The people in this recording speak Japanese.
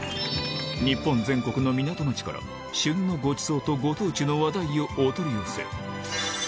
日本全国の港町から、旬のごちそうとご当地の話題をお取り寄せ。